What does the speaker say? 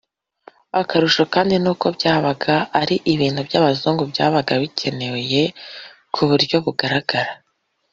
akarusho kandi n’uko byabaga ari ibintu by’abazungu byabaga bikeye ku buryo bugaragara